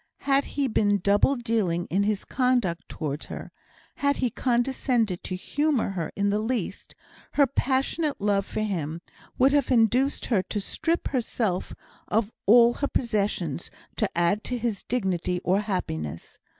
Had he been double dealing in his conduct towards her, had he condescended to humour her in the least, her passionate love for him would have induced her to strip herself of all her possessions to add to his dignity or happiness.